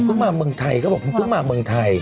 เพิ่งมาเมืองไทยก็บอกเพิ่งมาเมืองไทย